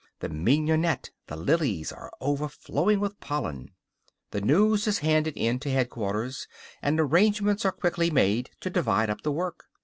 "The mignonette, the lilies, are overflowing with pollen." The news is handed in to headquarters, and arrangements are quickly made to divide up the work.